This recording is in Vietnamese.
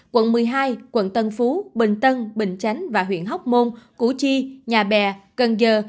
quận một mươi hai quận tân phú bình tân bình chánh và huyện hóc môn củ chi nhà bè cần giờ